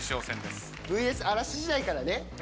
『ＶＳ嵐』時代からね